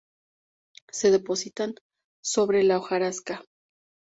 Se depositan sobre la hojarasca.